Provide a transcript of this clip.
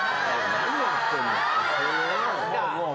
何やってんの。